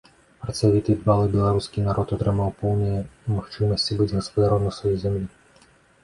Працавіты і дбалы беларускі народ атрымаў поўныя магчымасці быць гаспадаром на сваёй зямлі.